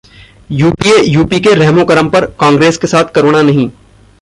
UPA UP के रहमो-करम पर, कांग्रेस के साथ करुणा नहीं